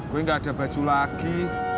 gue gak ada baju lagi